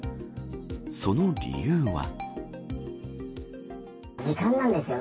その理由は。